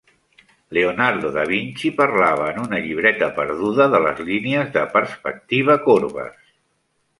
Leonardo da Vinci parlava en una llibreta perduda de les línies de perspectiva corbes.